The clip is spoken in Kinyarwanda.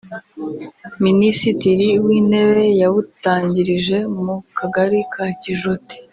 Minisitiri w’Intebe yabutangirije mu Kagari ka Kijote